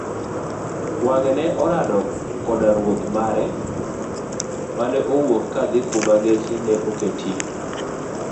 wange' ne orado kendo koda Ruoth mare mane wuok kadhi kuma geche ne oketie.